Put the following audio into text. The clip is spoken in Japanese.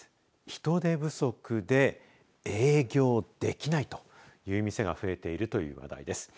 人手不足で営業できないという店が増えているという話題です。